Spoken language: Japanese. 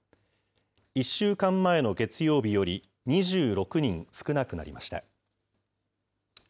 １週間前の月曜日より２６人少なくなりました。